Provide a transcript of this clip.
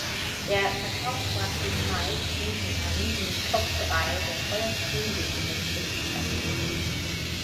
Der Verkauf brachte Mike Winkelmann in die Top Drei der teuersten lebenden Künstler.